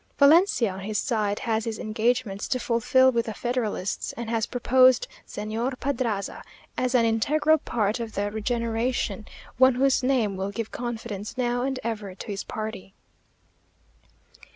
Valencia, on his side, has his engagements to fulfil with the federalists, and has proposed Señor Pedraza as an integral part of the regeneration one whose name will give confidence now and ever to his party.